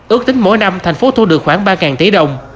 ước tính mỗi năm thành phố thu được khoảng ba tỷ đồng